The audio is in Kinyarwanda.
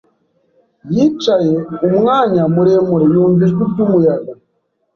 Yicaye umwanya muremure, yumva ijwi ry'umuyaga.